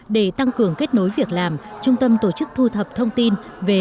để tăng cường kết nối việc làm trung tâm tổ chức thu thập thông tin về